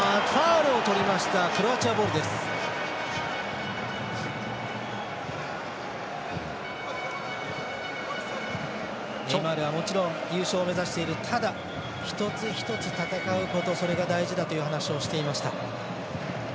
ネイマールはもちろん優勝を目指しているただ、一つ一つ、戦うことそれが大事だという話をしていました。